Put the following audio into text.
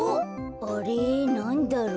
あれなんだろう？